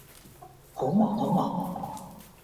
好忙好忙